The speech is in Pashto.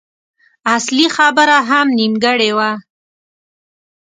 اصلي خبره هم نيمګړې وه.